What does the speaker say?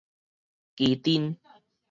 旗津